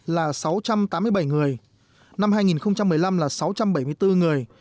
là sáu trăm tám mươi bảy người năm hai nghìn một mươi năm là sáu trăm bảy mươi bốn người